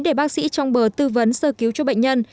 để bác sĩ trong bờ tư vấn sơ cứu cho bệnh nhân